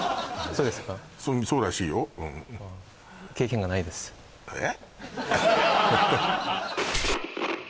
そうらしいよ経験がないですええ？